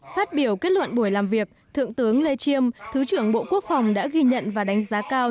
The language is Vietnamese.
phát biểu kết luận buổi làm việc thượng tướng lê chiêm thứ trưởng bộ quốc phòng đã ghi nhận và đánh giá cao